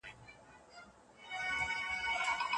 دا هغه لیکوال دئ چي ډېر تحقیق یې کړی.